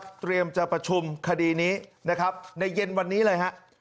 เตรียมจะประชุมคดีนี้นะครับในเย็นวันนี้เลยฮะ